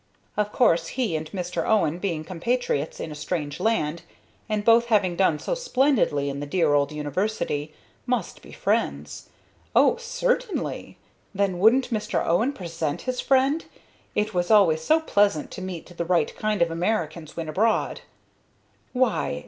Of course he and Mr. Owen, being compatriots in a strange land, and both having done so splendidly at the dear old university, must be friends. Oh, certainly. Then wouldn't Mr. Owen present his friend? It was always so pleasant to meet the right kind of Americans when abroad. "Why!